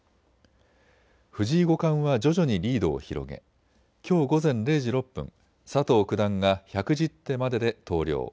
藤井五冠は徐々にリードを広げきょう午前０時６分、佐藤九段が１１０手までで投了。